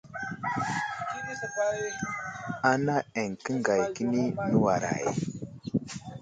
Ana eŋ kəngay kəni nəwaray ?